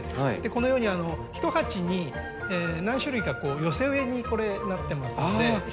このように一鉢に何種類か寄せ植えにこれなってますので一鉢で。